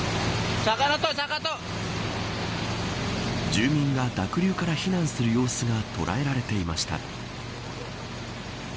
住民が濁流から避難する様子が捉えられていました。